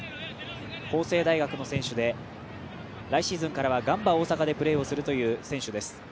法政大学の選手で、来シーズンからはガンバ大阪でプレーをするという選手です。